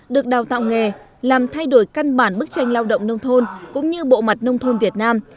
được đào tạo nghề làm thay đổi căn bản bức tranh lao động nông thôn cũng như bộ mặt nông thôn việt nam